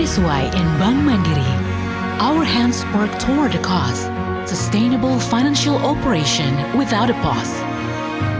itulah sebabnya di bank mandiri tangan kami berusaha untuk mencari operasi finansial yang berkelanjutan tanpa berhenti